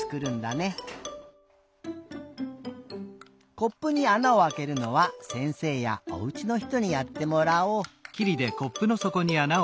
コップにあなをあけるのはせんせいやおうちのひとにやってもらおう。